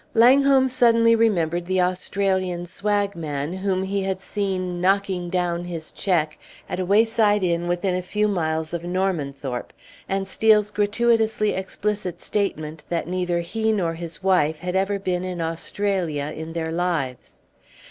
Langholm suddenly remembered the Australian swagman whom he had seen "knocking down his check" at a wayside inn within a few miles of Normanthorpe, and Steel's gratuitously explicit statement that neither he nor his wife had ever been in Australia in their lives.